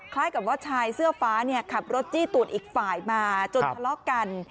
คล้ายกับว่าชายเสื้อฟ้าขับรถจี้ตูดอีกฝ่ายมาจนทะเลาะกัน